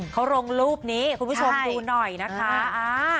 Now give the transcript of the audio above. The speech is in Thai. เขาลงรูปนี้คุณผู้ชมดูหน่อยนะคะ